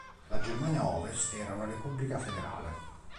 La Germania Ovest era una Repubblica federale.